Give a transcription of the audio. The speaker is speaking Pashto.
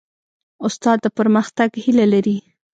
استاد د پرمختګ هیله لري.